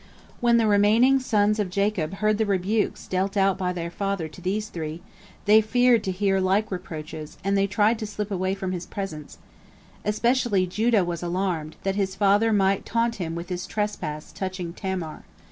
When the remaining sons of Jacob heard the rebukes dealt out by their father to these three, they feared to hear like reproaches, and they tried to slip away from his presence. Especially Judah was alarmed, that his father might taunt him with his trespass touching Tamar.